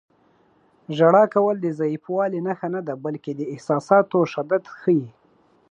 • ژړا کول د ضعیفوالي نښه نه ده، بلکې د احساساتو شدت ښيي.